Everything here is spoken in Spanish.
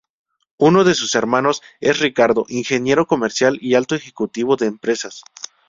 Uno de sus hermanos es Ricardo, ingeniero comercial y alto ejecutivo de empresas.